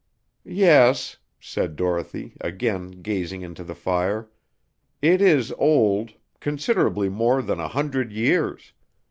"Yes," said Dorothy, again gazing into the fire, "it is old considerably more than a hundred years.